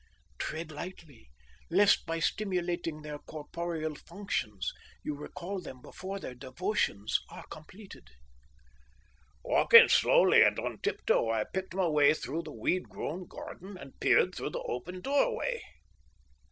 Tread lightly lest by stimulating their corporeal functions you recall them before their devotions are completed." Walking slowly and on tiptoe, I picked my way through the weed grown garden, and peered through the open doorway.